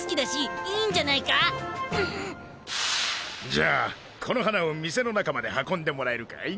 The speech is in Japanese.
じゃあこの花を店の中まで運んでもらえるかい？